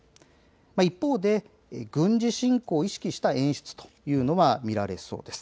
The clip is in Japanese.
一方で軍事侵攻を意識した演出というのは見られそうです。